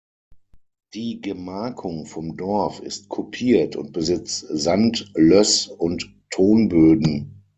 Die Gemarkung vom Dorf ist kupiert und besitzt Sand-, Löss- und Tonböden.